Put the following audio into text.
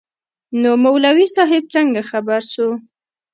نو مولوي صاحب څنگه خبر سو.